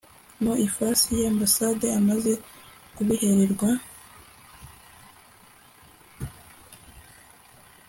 mu ifasi y ambasade amaze kubihererwa